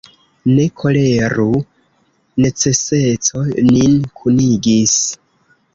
Ne koleru: neceseco nin kunigis!